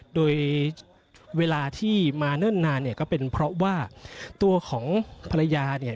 โดยเวลาที่มาเนิ่นนานเนี่ยก็เป็นเพราะว่าตัวของภรรยาเนี่ย